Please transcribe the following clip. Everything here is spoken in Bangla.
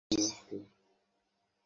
কী বলব, ভাই?